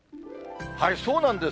そうなんです。